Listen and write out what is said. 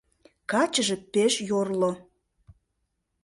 Качыже пеш йорло.